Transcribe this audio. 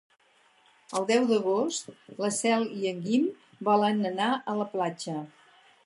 El deu d'agost na Cel i en Guim volen anar a la platja.